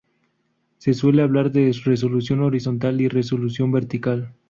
Se suele hablar de resolución horizontal y resolución vertical.